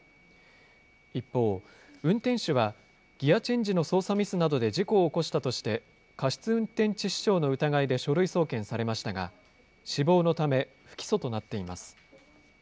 一方、運転手は、ギアチェンジの操作ミスなどで事故を起こしたとして、過失運転致死傷の疑いで書類送検されましたが、死亡のため不起訴となっています。